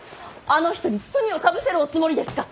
あの人に罪をかぶせるおつもりですか！